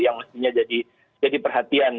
yang mestinya jadi perhatian